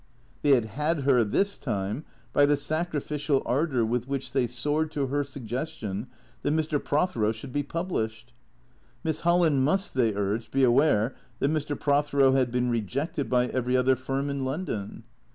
They had " had " her this time by the sacrificial ardour with which they soared to her suggestion that Mr. Prothero should be pub lished. Miss Holland must, they urged, be aware that Mr. Pro thero had been rejected by every other firm in London.